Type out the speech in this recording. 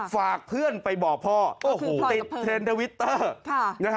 ฝากเพื่อนไปบอกพ่อติดเทรนด์ทวิตเตอร์